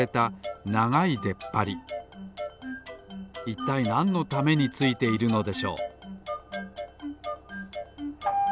いったいなんのためについているのでしょう？